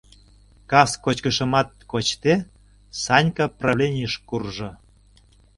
Кас кочкышымат кочде, Санька правленийыш куржо.